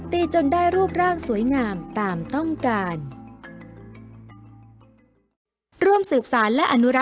จนได้รูปร่างสวยงามตามต้องการ